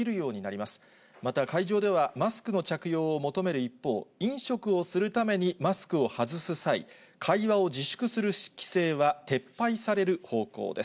また会場では、マスクの着用を求める一方、飲食をするためにマスクを外す際、会話を自粛する規制は撤廃される方向です。